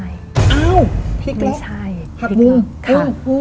อ้าวพลิกแล้วหัดมุม